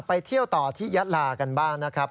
ไปเที่ยวต่อที่ยะลากันบ้างนะครับ